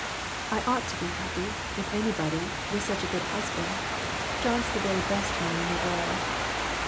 I ought to be happy, if anybody, with such a good husband. John's the very best man in the world."